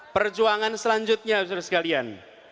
perjuangan selanjutnya bapak ibu sekalian